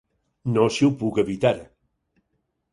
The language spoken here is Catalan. No si ho puc evitar.